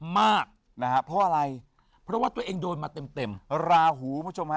มากนะฮะเพราะอะไรเพราะว่าตัวเองโดนมาเต็มเต็มราหูคุณผู้ชมฮะ